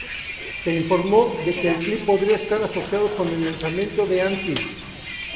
Se informó de que el clip podría estar asociado con el lanzamiento de Anti.